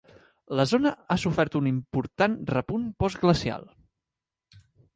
La zona ha sofert un important repunt postglacial.